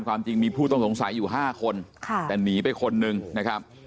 ความจริงมีผู้ต้องสงสัยอยู่๕คนแต่หนีไปคนนึงนะครับ